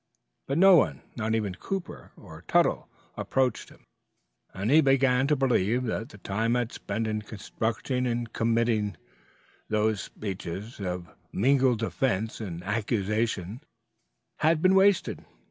But no one not even Cooper or Tuttle approached him, and he began to believe that the time he had spent in constructing and committing those speeches of mingled defense and accusation had been wasted.